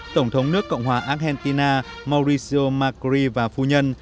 tổng thống nước cộng hòa argentina mauricio macri và phu nhân